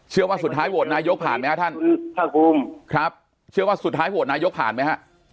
เชื่อว่าสุดท้ายโหวตนายยกผ่านไหมฮะท่านครับเชื่อว่าสุดท้ายโหวตนายยกผ่านไหมฮะ